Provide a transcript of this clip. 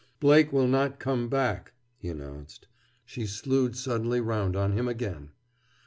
"Blake will not come back," he announced. She slewed suddenly round on him again.